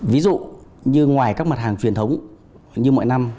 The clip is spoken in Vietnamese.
ví dụ như ngoài các mặt hàng truyền thống như mọi năm